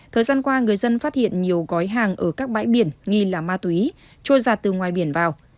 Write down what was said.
thời gian qua người dân phát hiện nhiều gói hàng ở các bãi biển nghi là ma túy trôi giặt từ ngoài biển vào